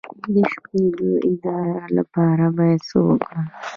د شپې د ادرار لپاره باید څه وکړم؟